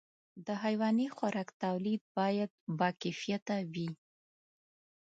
د حيواني خوراک توليد باید باکیفیته وي.